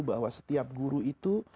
bahwa setiap guru itu